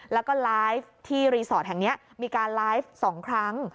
แล้วก็ไลฟ์ที่รีสอร์ทแห่งนี้มีการไลฟ์๒ครั้ง